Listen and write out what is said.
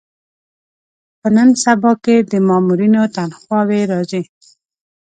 په نن سبا کې د مامورینو تنخوا وې راځي.